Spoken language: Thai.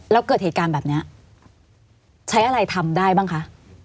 แล้วเกิดเหตุการณ์แบบนี้ใช้อะไรทำได้บ้างคะ